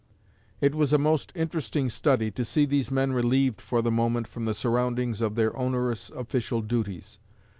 It was a most interesting study to see these men relieved for the moment from the surroundings of their onerous official duties.